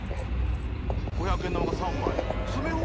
５００円玉が３枚。